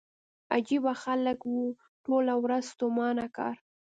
عجيبه خلک وو ټوله ورځ ستومانه کار.